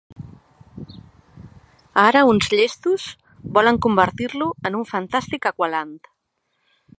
Ara uns llestos volen convertir-lo en un fantàstic Aqualand.